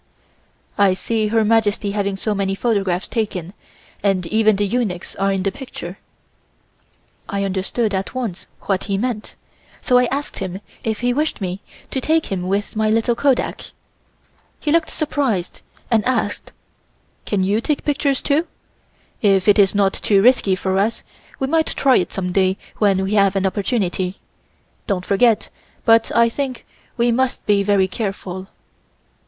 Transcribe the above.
"I see Her Majesty having so many photographs taken and even the eunuchs are in the picture." I understood at once what he meant, so I asked him if he wished me to take him with my little kodak. He looked surprised and asked: "Can you take pictures, too? If it is not too risky for us, we might try it some day when we have an opportunity. Don't forget, but I think we must be very careful."